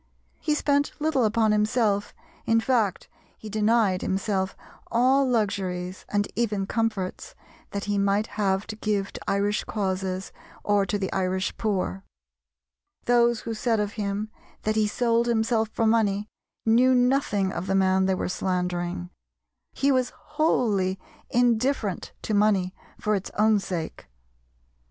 He spent little upon himself, in fact he denied himself all luxuries, and even comforts, that he might have to give to Irish causes or to the Irish poor. Those who said of him that he sold himself for money knew nothing of the man they were slandering. He was wholly indifferent to money for its own sake.